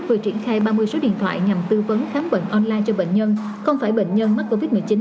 bệnh viện chợ rẫy vừa triển khai ba mươi số điện thoại nhằm tư vấn khám bệnh online cho bệnh nhân không phải bệnh nhân mắc covid một mươi chín